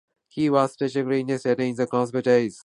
He was specifically interested in the Compositae.